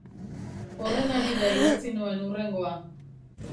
Horren harira idatzi nuen hurrengoa.